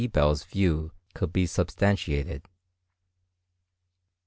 Bell's view could be substantiated.